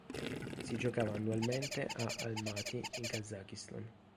Si giocava annualmente a Almaty in Kazakistan.